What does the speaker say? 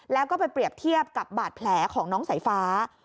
แล้วก็ไปเปรียบเทียบกับบาดแผลของน้องสายฟ้า